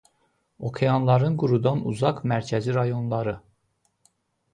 Okeanların qurudan uzaq mərkəzi rayonları.